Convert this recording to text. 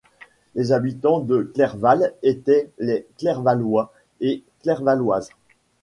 Les habitants de Clerval étaient les Clervalois et Clervaloises.